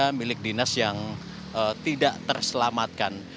rumah milik dinas yang tidak terselamatkan